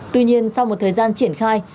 tuy nhiên sau một thời gian triển khai